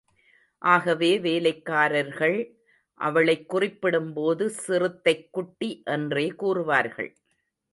ஆகவே வேலைக்காரர்கள் அவளைக் குறிப்பிடும்போது சிறுத்தைக்குட்டி என்றே கூறுவார்கள்.